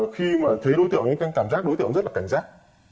khi mà thấy đối tượng cảm giác đối tượng rất là cảnh giác